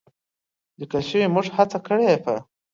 لیکل شوې، موږ هڅه کړې په